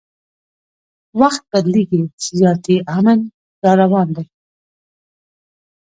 وخت بدلیږي زیاتي امن راروان دي